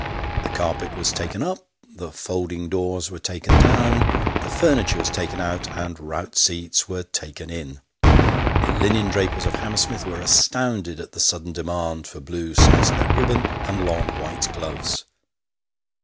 The carpet was taken up, the folding doors were taken down, the furniture was taken out, and rout seats were taken in. The linendrapers of Hammersmith were astounded at the sudden demand for blue sarsenet ribbon, and long white gloves.